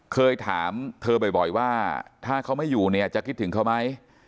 เคยถามเธอบ่อยว่าถ้าเขาไม่อยู่เนี่ยจะคิดถึงเขาไหม